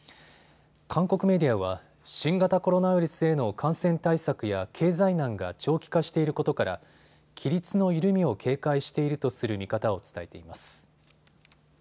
韓国メディアは新型コロナウイルスへの感染対策や経済難が長期化していることから規律の緩みを警戒しているとする見方を伝えています。